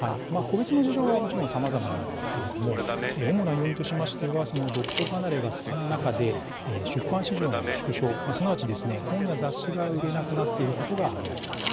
個別の事情はもちろんさまざまなんですけれども主な要因としましては読書離れが進む中で出版市場の縮小すなわち本や雑誌が売れなくなっていることが挙げられます。